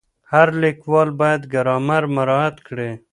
هر لیکوال باید ګرامر مراعت کړي.